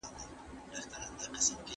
لوستې نجونې کارونه ښه تنظيموي.